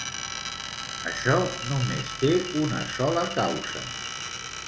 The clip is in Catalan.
Això només te una sola causa.